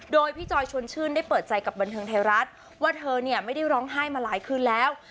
โดยพี่จอยชวนชื่นได้เปิดใจกับบันเทิงไทยรัฐว่าเธอเนี่ยไม่ได้ร้องไห้มาหลายคืนแล้ว